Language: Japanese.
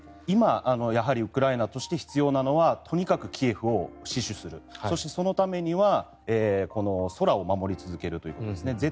今、やはりウクライナとして必要なのはとにかくキエフを死守するそしてそのためには空を守り続けるということですね。